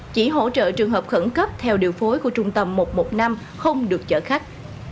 chỉ hỗ trợ trường hợp khẩn cấp theo điều phối của trung tâm một trăm một mươi năm không được chở khách